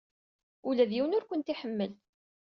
Ula d yiwen ur kent-iḥemmel.